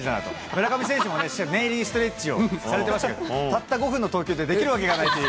村上選手もね、念入りにストレッチをされてましたけど、たった５分の投球でできるわけがない。